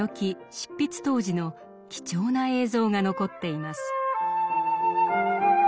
執筆当時の貴重な映像が残っています。